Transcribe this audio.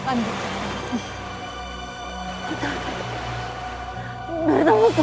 aku tidak bisa berpikir